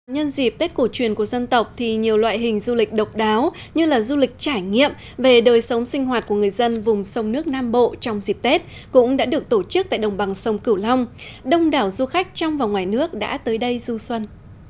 nhân dịp tết cổ truyền của dân tộc thì nhiều loại hình du lịch độc đáo như là du lịch trải nghiệm về đời sống sinh hoạt của người dân vùng sông nước nam bộ trong dịp tết cũng đã được tổ chức tại đồng bằng sông cửu long đông đảo du khách trong và ngoài nước đã tới đây du xuân